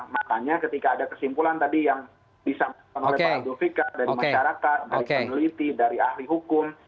makanya ketika ada kesimpulan tadi yang disampaikan oleh pak abdul fikar dari masyarakat dari peneliti dari ahli hukum